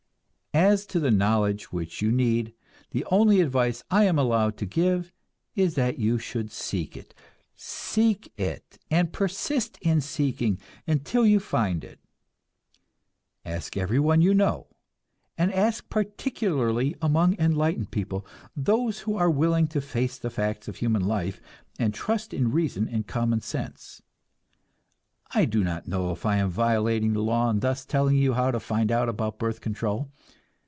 As to the knowledge which you need, the only advice I am allowed to give is that you should seek it. Seek it, and persist in seeking, until you find it. Ask everyone you know; and ask particularly among enlightened people, those who are willing to face the facts of human life and trust in reason and common sense. I do not know if I am violating the law in thus telling you how to find out about birth control.